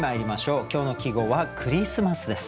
今日の季語は「クリスマス」です。